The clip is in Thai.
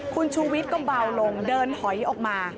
คุณชูวิทย์ก็เบาลงเดินหอยออกมา